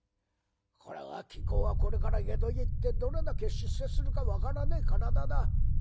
これは金公はこれから江戸へ行ってどれだけ出世するか分からねえ体だ。